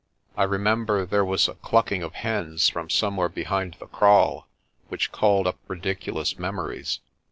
I remember there was a cluck ing of hens from somewhere behind the kraal, which called up ridiculous memories.